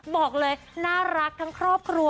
บอกเลยน่ารักทั้งครอบครัว